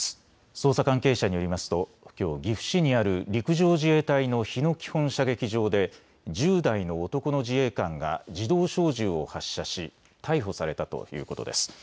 捜査関係者によりますときょう岐阜市にある陸上自衛隊の日野基本射撃場で１０代の男の自衛官が自動小銃を発射し逮捕されたということです。